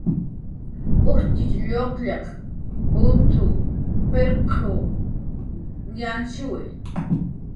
Ujtxitx lluqllaq ut pirq yanhshiwi